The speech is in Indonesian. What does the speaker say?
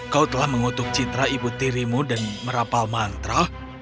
kau telah mengutuk citra ibu tirimu dan merapal mantra